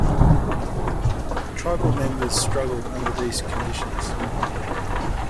Tribal members struggled under these conditions.